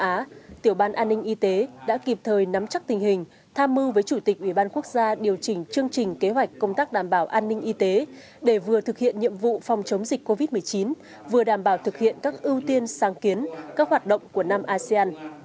công tác trọng tâm đảm bảo an ninh y tế đã kịp thời nắm chắc tình hình tham mưu với chủ tịch ủy ban quốc gia điều chỉnh chương trình kế hoạch công tác đảm bảo an ninh y tế để vừa thực hiện nhiệm vụ phòng chống dịch covid một mươi chín vừa đảm bảo thực hiện các ưu tiên sáng kiến các hoạt động của nam asean